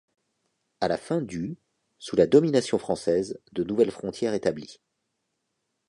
À la fin du sous la domination française, de nouvelles frontières établies.